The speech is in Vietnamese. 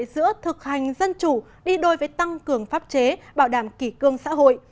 giữa thực hành dân chủ đi đôi với tăng cường pháp chế bảo đảm kỷ cương xã hội